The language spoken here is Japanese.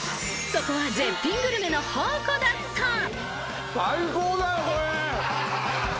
そこは絶品グルメの宝庫だった。